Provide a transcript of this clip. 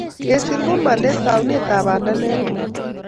Kesir ko ma let, taunetap panda ne koi